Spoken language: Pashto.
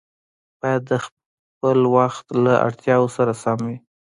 باید د خپل وخت له اړتیاوو سره سم وي.